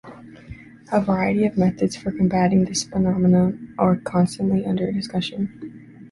A variety of methods for combating this phenomenon are constantly under discussion.